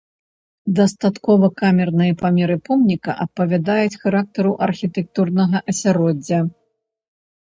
Дастаткова камерныя памеры помніка адпавядаюць характару архітэктурнага асяроддзя.